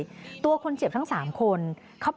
ทีนี้จากการสืบส่งของตำรวจพวกต้นเนี่ยค่ะ